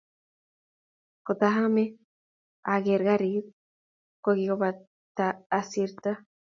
Katohame aker karit koKiptooa asirita